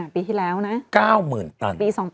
ปีที่แล้วนะ